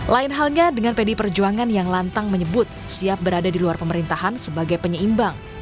lain halnya dengan pdi perjuangan yang lantang menyebut siap berada di luar pemerintahan sebagai penyeimbang